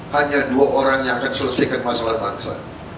hanya dua orang yang akan selesaikan masalah bangsa